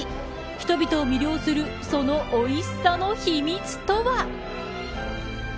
人々を魅了するそのおいしさの秘密とは。